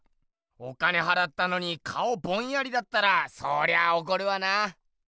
お金はらったのに顔ボンヤリだったらそりゃあおこるわな。